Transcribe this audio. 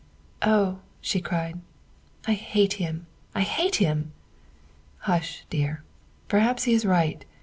"Oh," she cried, " I hate him! I hate him!" " Hush, dear. Perhaps he is right.